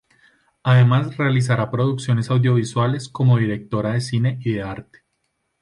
Además, realiza producciones audiovisuales, como directora de cine y de arte.